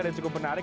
dan cukup menarik